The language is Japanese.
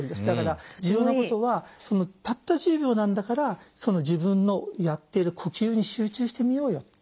だから重要なことはたった１０秒なんだから自分のやっている呼吸に集中してみようよ